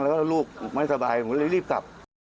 แล้วก็ลูกไม่สบายผมเลยรีบกลับ